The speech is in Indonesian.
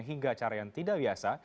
hingga cara yang tidak biasa